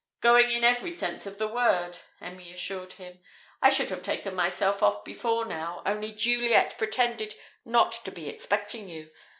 Going in every sense of the word," Emmy assured him. "I should have taken myself off before now, only Juliet pretended not to be expecting you.